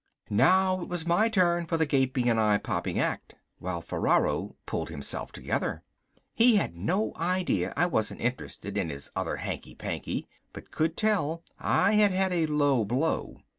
Now it was my turn for the gaping and eye popping act while Ferraro pulled himself together. He had no idea I wasn't interested in his other hanky panky, but could tell I had had a low blow.